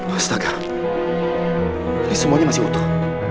pustaka ini semuanya masih utuh